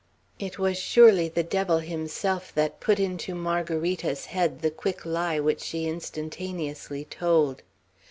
It was surely the devil himself that put into Margarita's head the quick lie which she instantaneously told.